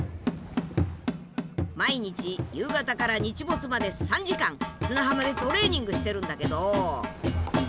毎日夕方から日没まで３時間砂浜でトレーニングしてるんだけど。